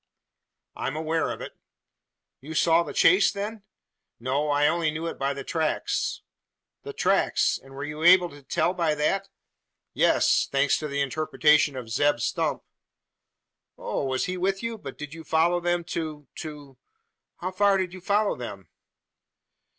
"I am aware of it." "You saw the chase then?" "No. I only knew it by the tracks." "The tracks! And were you able to tell by that?" "Yes thanks to the interpretation of Zeb Stump." "Oh! he was with you? But did you follow them to to how far did you follow them?"